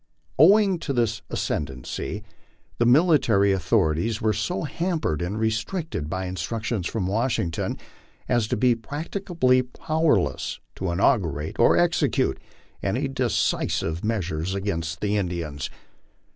Owing to this ascendancy, the mili tary authorities were so hampered and restricted by instructions from Wash ington as to be practically powerless to inaugurate or execute any decisive measures against the Indians.